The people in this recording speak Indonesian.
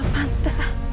gak pantas lah